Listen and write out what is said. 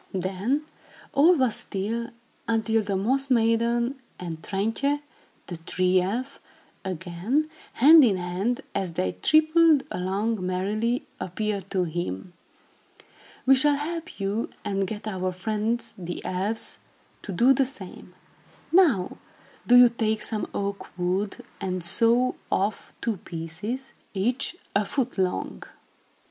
Then, all was still, until the Moss Maiden and Trintje, the Tree Elf, again, hand in hand, as they tripped along merrily, appeared to him. "We shall help you and get our friends, the elves, to do the same. Now, do you take some oak wood and saw off two pieces, each a foot long.